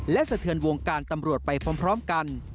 และสะเทือนวงการตำรวจไปพร้อมกัน